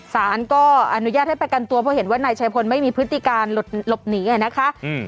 สารก็อนุญาตให้ประกันตัวเพราะเห็นว่านายชายพลไม่มีพฤติการหลบหนีนะคะ